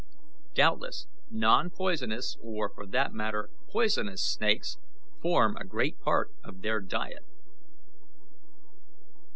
Doubtless non poisonous, or, for that matter, poisonous snakes, form a great part of their diet."